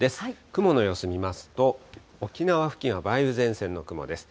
雲の様子見ますと、沖縄付近は梅雨前線の雲です。